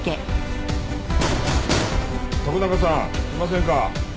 徳永さんいませんか！